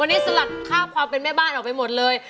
วันนี้สลัดค่าความเป็นแม่บ้านออกไปหมดเลย